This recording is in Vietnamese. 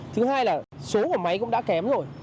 thứ hai là số nhà máy cũng đã kém rồi